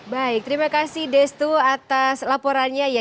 baik terima kasih destu atas laporannya